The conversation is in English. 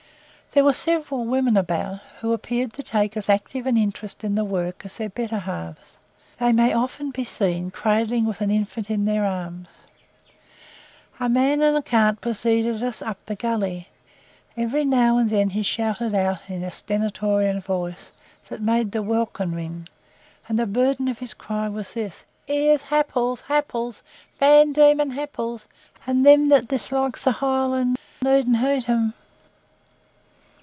There were several women about, who appeared to take as active an interest in the work as their "better halves." They may often be seen cradling with an infant in their arms. A man and a cart preceeded us up the gully. Every now and again he shouted out in a stentorian voice that made the welkin ring; and the burden of his cry was this: "'Ere's happles, happles, Vandemonian happles, and them as dislikes the hiland needn't heat them."